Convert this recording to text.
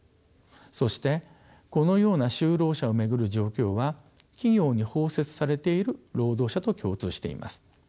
そしてこのような就労者を巡る状況は企業に包摂されている労働者と共通しています。